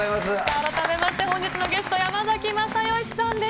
改めまして本日のゲスト、山崎まさよしさんです。